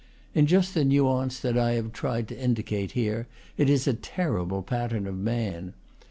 In just the nuance that I have tried to indicate here, it is a terrible pattern of man.